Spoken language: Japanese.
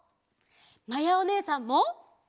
まやおねえさんも！